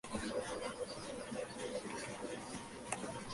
Está instalada al múltiple de gas caliente usando bridas.